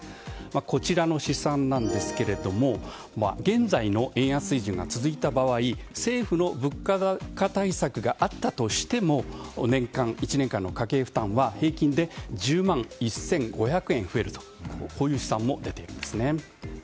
こちらの試算ですが現在の円安水準が続いた場合政府の物価高対策があったとしても１年間の家計負担は平均で１０万１５００円増えるとこういう試算も出ています。